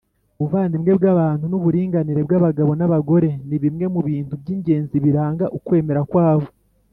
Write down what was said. ubuvandimwe bw’abantu n’uburinganire bw’abagabo n’abagore ni bimwe mu bintu by’ingenzi biranga ukwemera kwabo